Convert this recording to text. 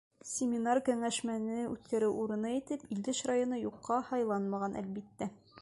Семинар-кәңәшмәне үткәреү урыны итеп Илеш районы юҡҡа һайланмаған, әлбиттә.